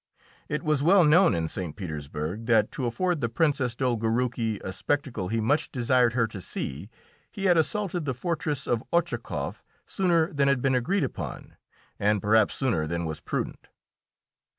It was well known in St. Petersburg that to afford the Princess Dolgoruki a spectacle he much desired her to see he had assaulted the fortress of Otschakoff sooner than had been agreed upon, and perhaps sooner than was prudent.